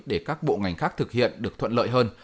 để các bộ ngành khác thực hiện được thuận lợi hơn